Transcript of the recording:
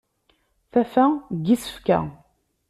Tafa n isefka.